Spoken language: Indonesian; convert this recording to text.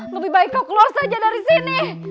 lebih baik kau keluar saja dari sini